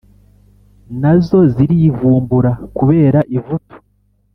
Nazo zirivumbura kubera ivutu